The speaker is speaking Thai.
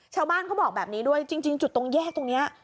ชาวบ้านเขาบอกแบบนี้ด้วยจริงจุดตรงแยกตรงนี้